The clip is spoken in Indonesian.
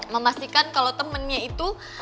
memastikan kalo temennya itu